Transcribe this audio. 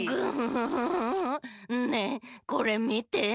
ねえこれみて。